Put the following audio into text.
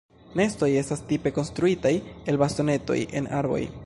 Nestoj estas tipe konstruitaj el bastonetoj en arboj.